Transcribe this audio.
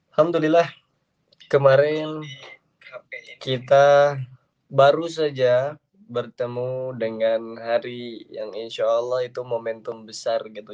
alhamdulillah kemarin kita baru saja bertemu dengan hari yang insya allah itu momentum besar gitu